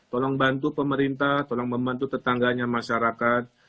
tolong bantu pemerintah tolong membantu tetangganya masyarakat